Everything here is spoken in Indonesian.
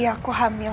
kamu lagi hamil